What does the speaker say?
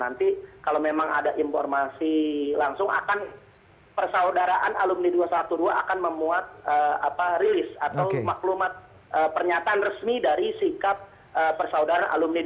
nanti kalau memang ada informasi langsung akan persaudaraan alumni dua ratus dua belas akan memuat rilis atau maklumat pernyataan resmi dari sikap persaudaraan alumni dua ratus